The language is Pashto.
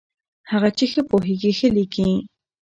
هغه چې ښه پوهېږي، ښه لیکي.